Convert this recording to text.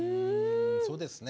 そうですね。